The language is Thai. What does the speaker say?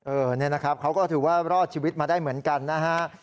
เนี่ยนะครับเขาก็ถือว่ารอดชีวิตมาได้เหมือนกันนะฮะ